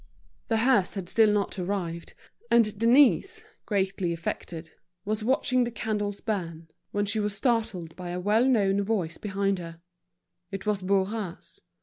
The hearse had still not arrived, and Denise, greatly affected, was watching the candles burn, when she was startled by a well known voice behind her. It was Bourras.